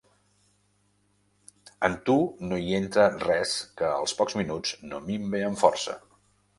En tu no hi entra res que als pocs minuts no minve en força.